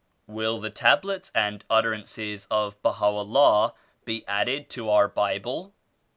"Will the Tablets and Utterances of Baha^ U'llah be added to our Bible?"